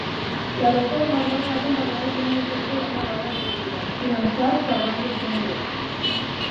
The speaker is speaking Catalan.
Les reformes van anar acompanyades d'un ambiciós programa d'obres públiques, finançat per bancs estrangers.